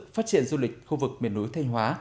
phát triển du lịch khu vực miền núi thanh hóa